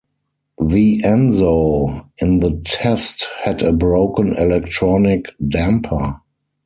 The Enzo in the test had a broken electronic damper.